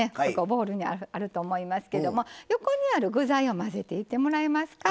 ボウルにあると思いますけども横にある具材を混ぜていってもらえますか。